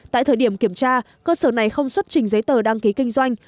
tại thời điểm kiểm tra cơ sở này không xuất trình giấy tờ đăng ký kinh doanh